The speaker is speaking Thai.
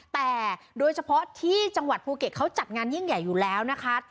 แต่โดยเฉพาะที่จังหวัดภูเก็ตเขาจัดงานยิ่งใหญ่อยู่แล้วนะคะ